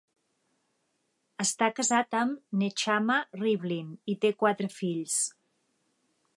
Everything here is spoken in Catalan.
Està casat amb Nechama Rivlin, i té quatre fills.